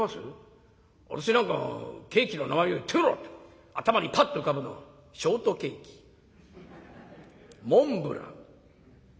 私なんかケーキの名前を言ってみろって頭にパッと浮かぶのはショートケーキモンブラン。